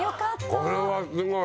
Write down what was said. これはすごい。